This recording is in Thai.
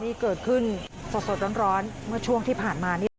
นี่เกิดขึ้นสดร้อนช่วงที่ผ่านมานี่